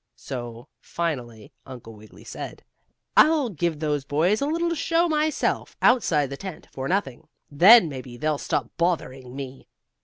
So finally Uncle Wiggily said: "I'll give those boys a little show myself, outside the tent, for nothing. Then maybe they'll stop bothering me."